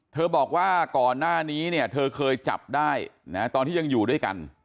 บอกว่าก่อนหน้านี้เนี่ยเธอเคยจับได้นะตอนที่ยังอยู่ด้วยกัน